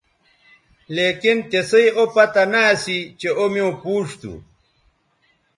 لیکن تسئ او پتہ نہ اسی چہء او میوں پوچ تھو